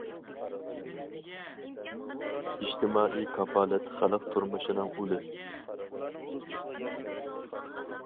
ئىجتىمائىي كاپالەت— خەلق تۇرمۇشىنىڭ ئۇلى.